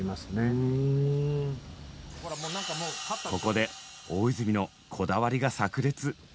ここで大泉のこだわりがさく裂。